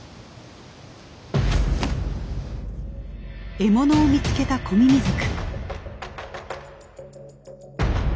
獲物を見つけたコミミズク。